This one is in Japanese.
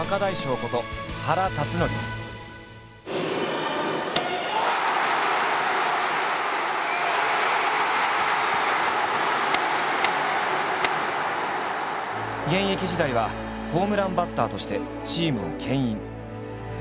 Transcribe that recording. こと現役時代はホームランバッターとしてチームをけん引。